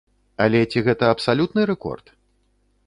Але ці гэта абсалютны рэкорд?